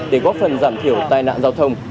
để góp phần giảm thiểu tai nạn giao thông